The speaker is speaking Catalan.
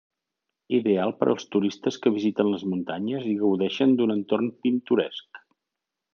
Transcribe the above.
Ideal per als turistes que visiten les muntanyes i gaudeixen d'un entorn pintoresc.